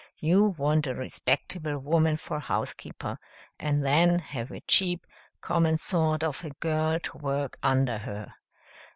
You want a respectable woman for housekeeper, and then have a cheap, common sort of a girl to work under her.